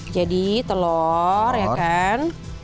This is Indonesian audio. jadi telur ya kan